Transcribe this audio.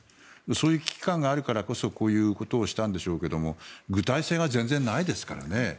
そういう危機感があるからこそこういうことをしたんでしょうけど具体性は全然ないですからね。